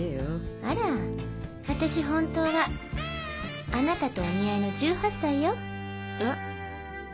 あら私ホントはあなたとお似合いの１８歳よ。え？